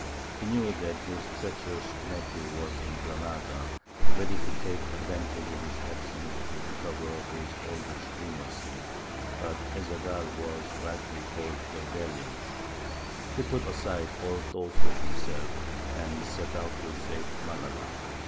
He knew that his treacherous nephew was in Granada, ready to take advantage of his absence to recover his old supremacy; but Ez Zaghal was rightly called the Valiant; he put aside all thoughts of self, and set out to save Malaga.